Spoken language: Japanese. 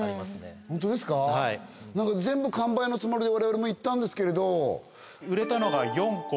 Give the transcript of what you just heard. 全部完売のつもりで我々も行ったんですけれど。